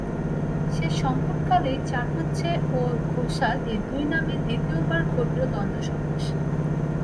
সেই সংকটকালেই চাটুজ্যে ও ঘোষাল এই দুই নামে দ্বিতীয়বার ঘটল দ্বন্দ্বসমাস।